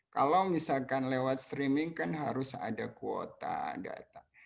kalau misalkan lewat streaming kan harus ada kuota data